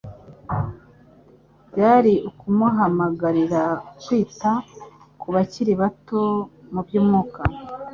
Byari ukumuhamagarira kwita ku bakiri bato mu by'umwuka,